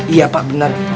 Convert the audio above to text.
iya pak benar